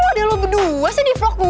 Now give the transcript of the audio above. kok ada lo berdua sih di vlog gue